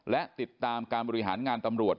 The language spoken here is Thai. และติดตามการบริหารงานตำรวจ